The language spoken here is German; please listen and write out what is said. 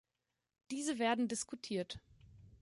Diese werden diskutiert.